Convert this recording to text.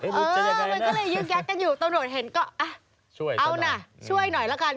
เออมันก็เลยยึกยักกันอยู่ตำรวจเห็นก็ช่วยเอานะช่วยหน่อยละกัน